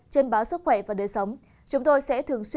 trên báo sức khỏe và đời sống